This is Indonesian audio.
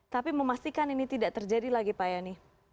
tapi memastikan ini tidak terjadi lagi pak yani